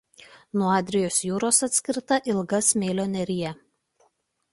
Nuo Adrijos jūros atskirta ilga smėlio nerija.